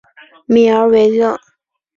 米尔维勒。